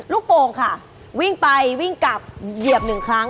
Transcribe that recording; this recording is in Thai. โป่งค่ะวิ่งไปวิ่งกลับเหยียบหนึ่งครั้ง